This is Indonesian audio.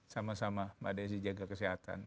sama sama mbak desi jaga kesehatan